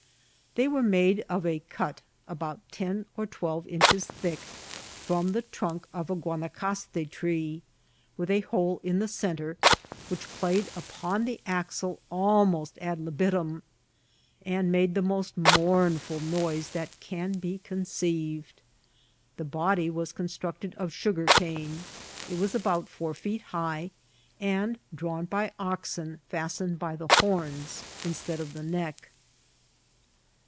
They were made of a cut, about ten or twelve inches thick, firom the trunk of a Onanacaste tree, with a hole in the centre, which played upon the axle almost ad libitun, and made the most mournful noise that can be conceiv ed. The body was ccMistructed of sugarcane ; it was about four feet high, and drawn by oxen fastened by the horns instead of the neck.